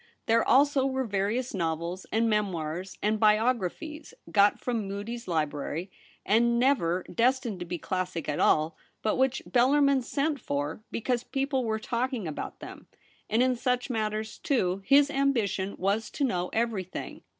There also were various novels and memoirs and biographies got from Mudie's Library and never destined to be classic at all, but which Bellarmin sent for because people were talk ing about them, and in such matters, too, his ambition was to know everything.